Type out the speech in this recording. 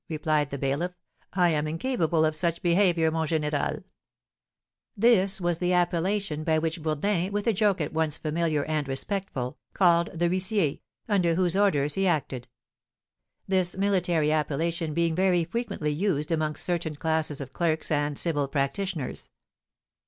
replied the bailiff; "I am incapable of such behaviour, mon général." This was the appellation by which Bourdin, with a joke at once familiar and respectful, called the huissier, under whose orders he acted; this military appellation being very frequently used amongst certain classes of clerks and civil practitioners.